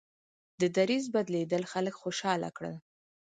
د دریځ بدلېدل خلک خوشحاله کړل.